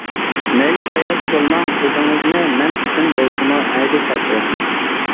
مەيلى قەيەردە بولماڭ ئۆزىڭىزنى مەن ئۈچۈن بولسىمۇ ھەرگىز تاشلىۋەتمەڭ.